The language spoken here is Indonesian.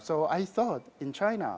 jadi saya berpikir di china